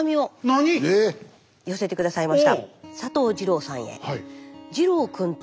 なに⁉え⁉寄せて下さいました。